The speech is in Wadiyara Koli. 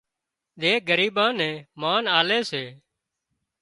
زي ڳريٻان نين مانَ آلي سي